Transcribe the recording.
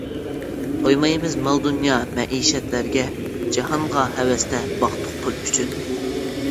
تويمايمىز مال-دۇنيا، مەئىشەتلەرگە، جاھانغا ھەۋەستە باقتۇق پۇل ئۈچۈن.